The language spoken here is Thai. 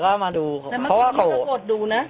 เพราะว่าเขากดดูนะ